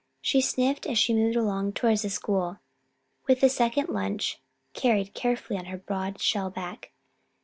She sniffed as she moved slowly along towards the school, with the second lunch carried carefully on her broad shell back.